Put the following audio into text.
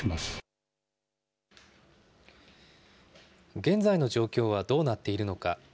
現在の状況はどうなっているのか。